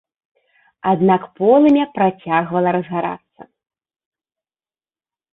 Аднак полымя працягвала разгарацца.